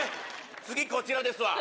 次こちらですわ。